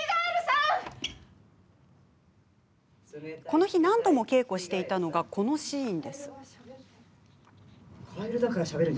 この日、何度も稽古していたのがこのシーン。